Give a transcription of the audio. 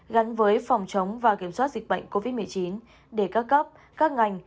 gắn với phòng chống và kiểm soát dịch bệnh covid một mươi chín để các cấp các ngành